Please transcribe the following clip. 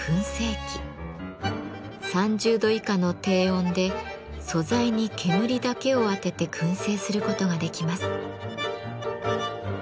３０度以下の低温で素材に煙だけを当てて燻製することができます。